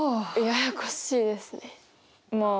ややこしいですね。